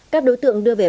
các đối tượng đưa về